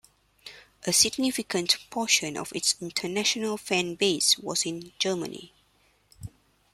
A significant portion of its international fanbase was in Germany.